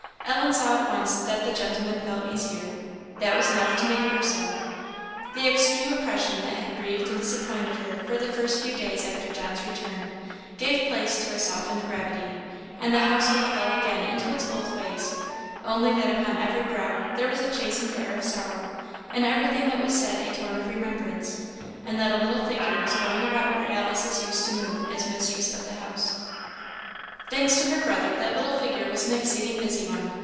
Ellen saw at once that the gentlemen felt easier that was enough to make her so. The extreme oppression that had grieved and disappointed her the first few days after John's return, gave place to a softened gravity; and the household fell again into its old ways; only that upon every brow there was a chastened air of sorrow, in everything that was said a tone of remembrance, and that a little figure was going about where Alice's used to move as mistress of the house. Thanks to her brother, that little figure was an exceeding busy one.